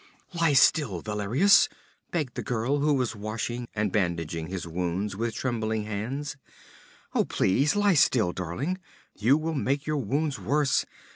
'Lie still, Valerius,' begged the girl who was washing and bandaging his wounds with trembling hands. 'Oh, please lie still, darling! You will make your wounds worse.